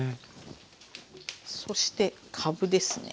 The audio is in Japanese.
そしてかぶですね。